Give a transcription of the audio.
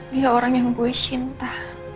dia orang yang gue cinta